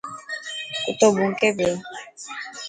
ڪتو ڀونڪي پيو.